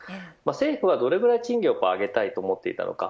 政府はどれぐらい賃金を上げたいと思っていたのか。